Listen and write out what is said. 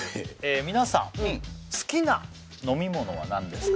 皆さん好きな飲み物は何ですか？